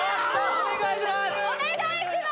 お願いします！